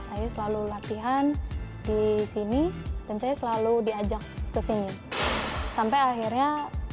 saya selalu latihan di sini dan saya selalu diajak kesini sampai akhirnya